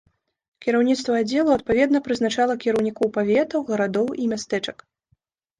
Кіраўніцтва аддзелу адпаведна прызначала кіраўнікоў паветаў, гарадоў і мястэчак.